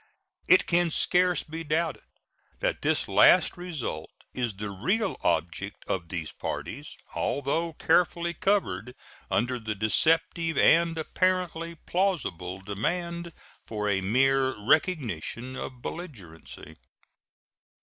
It can scarce be doubted that this last result is the real object of these parties, although carefully covered under the deceptive and apparently plausible demand for a mere recognition of belligerency.